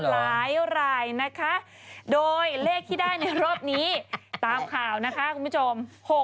หลายรายนะคะโดยเลขที่ได้ในรอบนี้ตามข่าวนะคะคุณผู้ชม